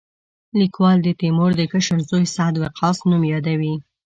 لیکوال د تیمور د کشر زوی سعد وقاص نوم یادوي.